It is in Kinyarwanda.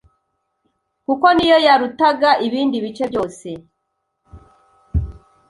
kuko niyo yarutaga ibindi bice byose